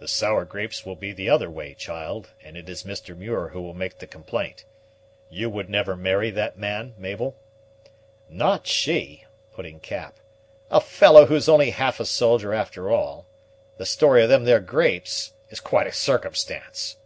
"The sour grapes will be the other way, child, and it is Mr. Muir who will make the complaint. You would never marry that man, Mabel?" "Not she," put in Cap; "a fellow who is only half a soldier after all. The story of them there grapes is quite a circumstance."